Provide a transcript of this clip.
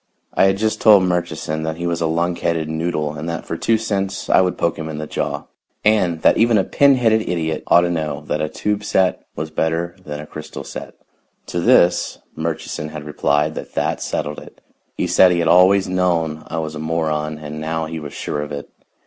I had just told Murchison that he was a lunkheaded noodle and that for two cents I would poke him in the jaw, and that even a pin headed idiot ought to know that a tube set was better than a crystal set. To this Murchison had replied that that settled it. He said he had always known I was a moron, and now he was sure of it.